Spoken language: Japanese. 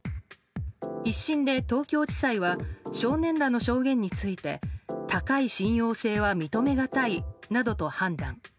１審で東京地裁は少年らの証言について高い信用性は認めがたいなどと判断。